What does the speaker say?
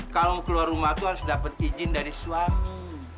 kalau mau keluar rumah tuh harus dapet izin dari suami